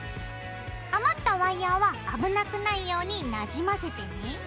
余ったワイヤーは危なくないようになじませてね。